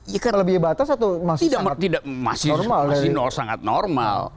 melebihi batas atau masih sangat normal